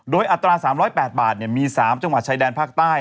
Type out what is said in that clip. โดยอัตรา๓๐๘บาทมี๓จังหวัดชายแดนภาคใต้